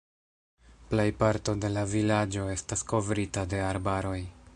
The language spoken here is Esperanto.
Plejparto de la vilaĝo estas kovrita de arbaroj.